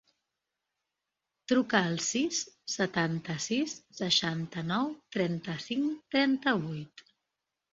Truca al sis, setanta-sis, seixanta-nou, trenta-cinc, trenta-vuit.